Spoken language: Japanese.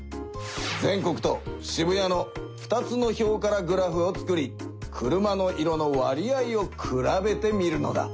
全国と渋谷の２つの表からグラフを作り車の色の割合を比べてみるのだ。